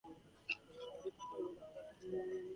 However, the Patriots took over the rest of the quarter.